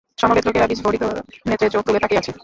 সমবেত লোকেরা বিস্ফোরিত নেত্রে চোখ তুলে তাকিয়ে আছে।